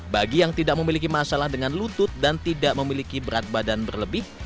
bagi yang tidak memiliki masalah dengan lutut dan tidak memiliki berat badan berlebih